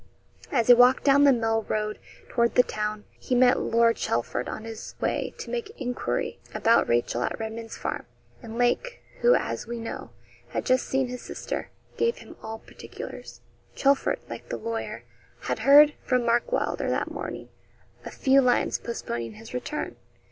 As he walked down the mill road toward the town, he met Lord Chelford on his way to make enquiry about Rachel at Redman's Farm; and Lake, who, as we know, had just seen his sister, gave him all particulars. Chelford, like the lawyer, had heard from Mark Wylder that morning a few lines, postponing his return.